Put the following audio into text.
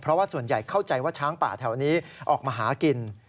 เพราะว่าส่วนใหญ่เข้าใจว่าช้างป่าแถวนี้ออกมาหากิน